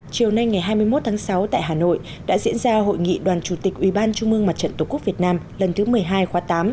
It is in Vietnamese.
chiều nay ngày hai mươi một tháng sáu tại hà nội đã diễn ra hội nghị đoàn chủ tịch ủy ban trung mương mặt trận tổ quốc việt nam lần thứ một mươi hai khóa tám